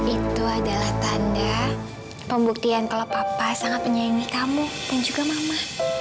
itu adalah tanda pembuktian kalau papa sangat menyayangi kamu dan juga mama